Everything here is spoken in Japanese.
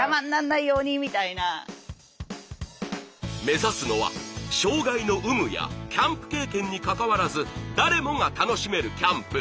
目指すのは障害の有無やキャンプ経験にかかわらず誰もが楽しめるキャンプ。